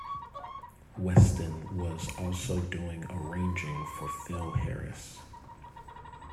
Weston was also doing arranging for Phil Harris.